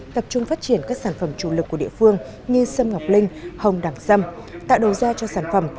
tập trung phát triển các sản phẩm chủ lực của địa phương như xâm ngọc linh hồng đảng xâm tạo đồ da cho sản phẩm